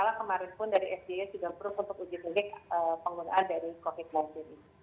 kalau tidak salah kemarin pun dari fda sudah proof untuk uji klinik penggunaan dari covid sembilan belas ini